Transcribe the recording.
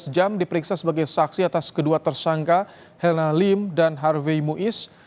dua belas jam diperiksa sebagai saksi atas kedua tersangka herna lim dan harvey muiz